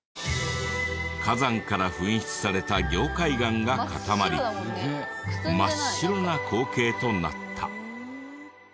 火山から噴出された凝灰岩が固まり真っ白な光景となった。